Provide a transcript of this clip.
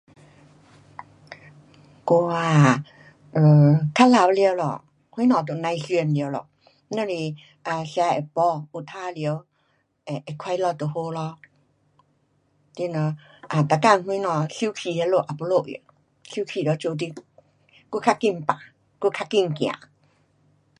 我啊，较老了咯，什么都甭想了咯，只是 um 吃得饱，好玩耍，会，会快乐就好咯。你若 um 每天什么生气那里，没有用。生气了做你更加快病，较快走。